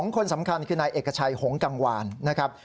คนสำคัญคือนายเอกชัยหงกังวานนะครับ